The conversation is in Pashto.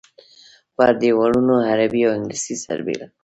پر دیوالونو عربي او انګلیسي سربېره.